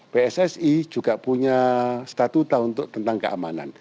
pssi juga punya statuta untuk tentang keamanan